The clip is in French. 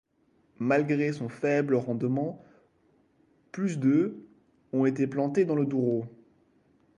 Malgré son faible rendement, plus de ont été plantés dans le Douro.